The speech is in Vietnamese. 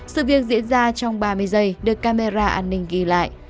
sự việc diễn ra trong ba mươi giây được camera an ninh ghi lại